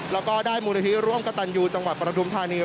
แล้วก็ได้มูลนิธิร่วมกระตันยูจังหวัดประทุมธานี